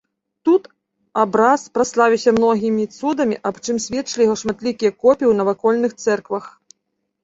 Тут абраз праславіўся многімі цудамі, аб чым сведчылі яго шматлікія копіі ў навакольных цэрквах.